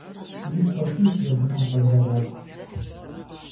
Игу къокӀыж езым и щӀалэгъуэр.